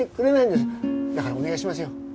だからお願いしますよ。